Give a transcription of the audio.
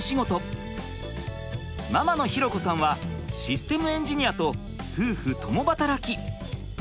ママの寛子さんはシステムエンジニアと夫婦共働き。